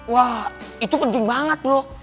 wah itu penting banget loh